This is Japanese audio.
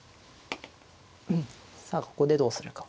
さあここでどうするか。